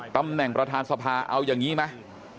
ตำแหน่งประธานสภาเอาอย่างนี้ไหม